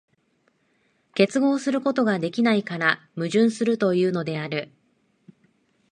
結合することができないから矛盾するというのである。